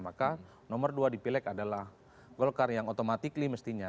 maka nomor dua dipilih adalah golkar yang otomatis mestinya